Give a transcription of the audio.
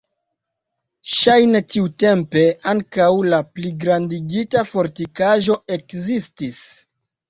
Ŝajne tiutempe ankaŭ la pligrandigita fortikaĵo ekzistis.